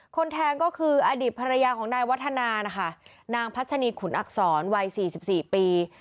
แทงก็คืออดีตภรรยาของนายวัฒนานะคะนางพัชนีขุนอักษรวัย๔๔ปี